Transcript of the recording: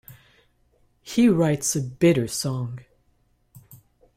He writes a bitter song.